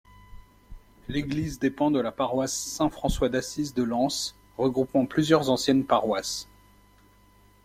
L'église dépend de la paroisse Saint-François-d'Assise de Lens, regroupant plusieurs anciennes paroisses.